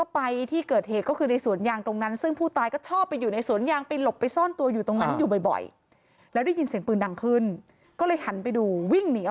พี่อาจารย์บ้านเลยเนอะว่าแกไม่มีรวมเนี่ยหรือจับแกเนี่ย